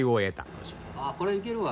ああこれいけるわ。